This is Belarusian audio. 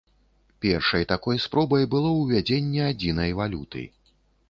Першай такой спробай было ўвядзенне адзінай валюты.